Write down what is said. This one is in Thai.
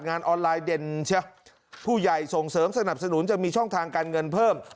งานออนไลน์เด่นเชียวผู้ใหญ่ส่งเสริมสนับสนุนจะมีช่องทางการเงินเพิ่ม